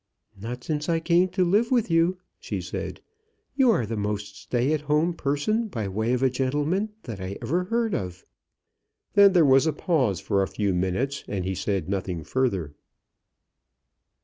"Not since I came to live with you," she said. "You are the most stay at home person by way of a gentleman that I ever heard of." Then there was a pause for a few minutes, and he said nothing further.